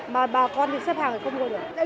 mà bà con thì xếp hàng thì không mua được